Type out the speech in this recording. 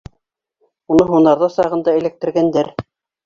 Уны һунарҙа сағында эләктергәндәр.